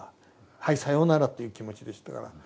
はいさようならという気持ちでしたから。